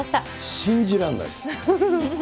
信じらんないです。